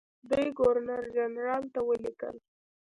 دوی ګورنرجنرال ته ولیکل.